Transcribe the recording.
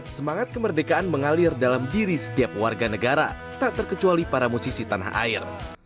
semangat kemerdekaan mengalir dalam diri setiap warga negara tak terkecuali para musisi tanah air